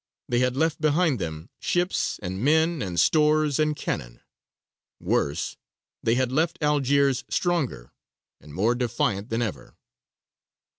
They had left behind them ships and men and stores and cannon: worse, they had left Algiers stronger and more defiant than ever.